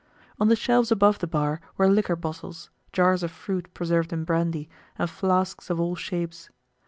On the shelves above the bar were liquor bottles, jars of fruit preserved in brandy, and flasks of all shapes.